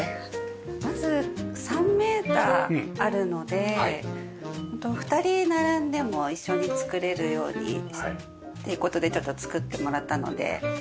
まず３メーターあるのでホント２人並んでも一緒に作れるようにって事でちょっと作ってもらったので。